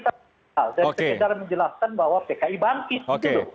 saya sekedar menjelaskan bahwa pki bangkit